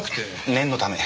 念のため。